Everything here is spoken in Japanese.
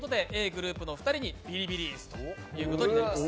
ｇｒｏｕｐの２人にビリビリ椅子ということになります。